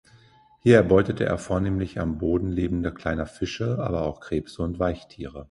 Hier erbeutet er vornehmlich am Boden lebende kleine Fische, aber auch Krebse und Weichtiere.